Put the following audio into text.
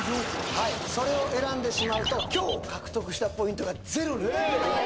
はいそれを選んでしまうと今日獲得したポイントがゼロになります